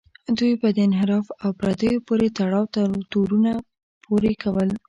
دوی به د انحراف او پردیو پورې تړاو تورونه پورې کول.